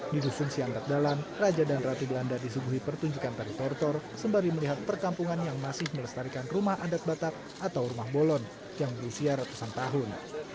di dusun siandat dalam raja dan ratu belanda disuguhi pertunjukan tari tortor sembari melihat perkampungan yang masih melestarikan rumah adat batak atau rumah bolon yang berusia ratusan tahun